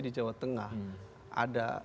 di jawa tengah ada